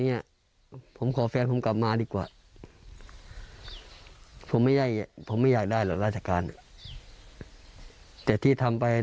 ยิงตัวเองตามเขาไปลิ